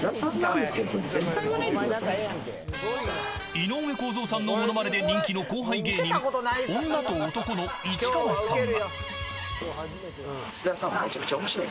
井上公造さんのモノマネでおなじみの後輩芸人女と男の市川さんは。